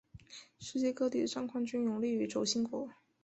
世界各地的战况均有利于轴心国。